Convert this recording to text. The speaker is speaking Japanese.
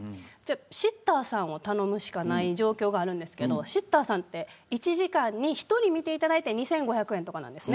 シッターさんを頼むしかない状況があるんですけどシッターさんは１時間に１人見ていただいて２５００円とかなんです。